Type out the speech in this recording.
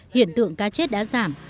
hiện tượng cá chất đã giảm